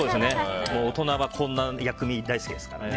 大人はこんな薬味大好きですからね。